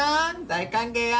大歓迎よ！